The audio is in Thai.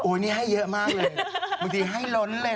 นี่ให้เยอะมากเลยบางทีให้ล้นเลย